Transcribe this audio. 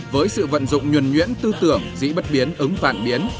với sự vận dụng nhuẩn nhuyễn tư tưởng dĩ bất biến ứng vạn biến